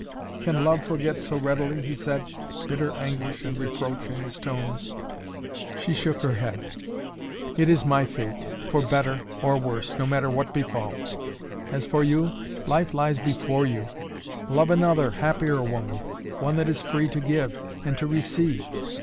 "Can love forget so readily?" he said, bitter anguish and reproach in his tones. She shook her head. "It is my fate, for better or worse no matter what befall. As for you life lies before you. Love another, happier woman, one that is free to give and to receive.